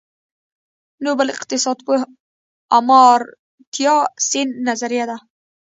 نوبل اقتصادپوه آمارتیا سېن نظريه ده.